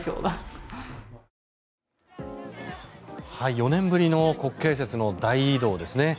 ４年ぶりの国慶節の大移動ですね。